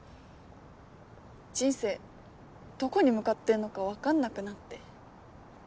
人生どこに向かってんのか分かんなくなって。